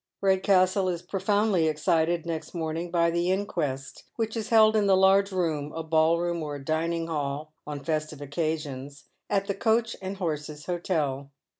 Redcastlk is profoundly excited next morning by the inquest •which is held in the large room — a ball room or a dining liall on festive occasions — at the " Coach and Horses" Hotel.